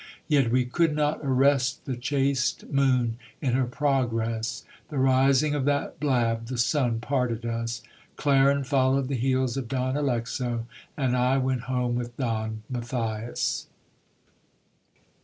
Yet we could not arrest the chaste moon in her progress ; the rising of that blab, the sun, parted us. Clarin followed the heels of Don Alexo, and I went home with Don Matthias.